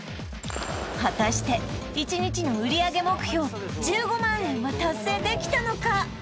果たして１日の売上目標１５万円は達成できたのか？